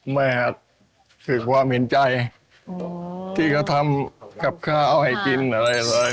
อาจสื่อความเห็นใจที่เขาทำกับข้าวให้กินอะไรเลย